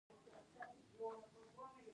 مرجانونه څه دي؟